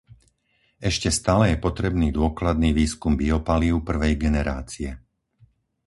Ešte stále je potrebný dôkladný výskum biopalív prvej generácie.